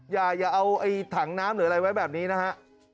อย่าเอาถังน้ำหรืออะไรไว้แบบนี้นะฮะ